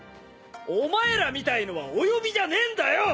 お前らみたいのはお呼びじゃねえんだよ！